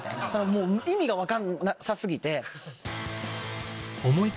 意味が分かんなさ過ぎて。